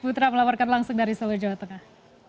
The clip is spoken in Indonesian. putra melaporkan langsung dari solo jawa tengah